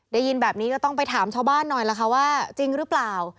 ได้ยินแบบนี้ก็ต้องไปถามชาวบ้านหน่อยล่ะค่ะว่าจริงหรือเปล่า